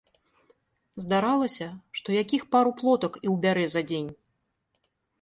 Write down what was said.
Здаралася, што якіх пару плотак і ўбярэ за дзень.